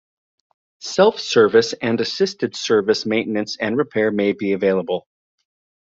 Self-service and assisted-service maintenance and repair may be available.